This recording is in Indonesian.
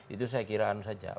itu saya kira anu saja